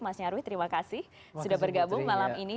mas nyarwi terima kasih sudah bergabung malam ini